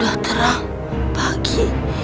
sudah terang pagi